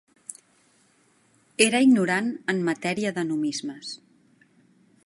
Era ignorant en matèria de numismes